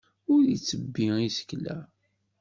Ur ittebbi isekla.